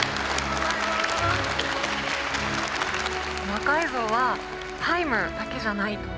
魔改造はタイムだけじゃないと。